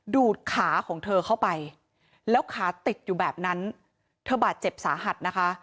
ดูดขาของเธอเข้าไปแล้วขาติดอยู่แบบนั้นเธอบาดเจ็บสาหัสนะคะ